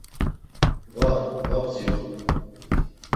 Var, va bdzirop.